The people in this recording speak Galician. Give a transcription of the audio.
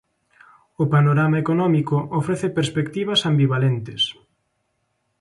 O panorama económico ofrece perspectivas ambivalentes.